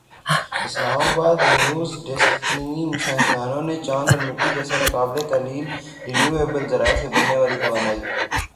اسلام آبادنیو زڈیسکچینی سائنسدانوں نے چاند اور مٹی جیسے قابلِ تحلیل رینیوایبل ذرائع سے بننے والی توانائی